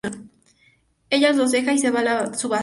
Ella los deja y se va a la subasta.